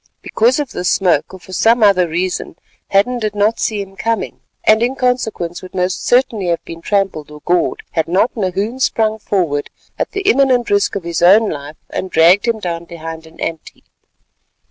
Because of this smoke, or for some other reason, Hadden did not see him coming, and in consequence would most certainly have been trampled or gored, had not Nahoon sprung forward, at the imminent risk of his own life, and dragged him down behind an ant heap.